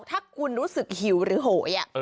ถ้าคุณรู้สึกหิวหรือโหย